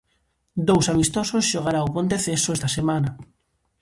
Dous amistosos xogará o Ponteceso esta semana.